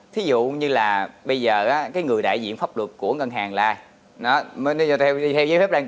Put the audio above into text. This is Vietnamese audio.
thí dụ như là bây giờ cái người đại diện pháp luật của ngân hàng là nó mới cho theo dưới phép đăng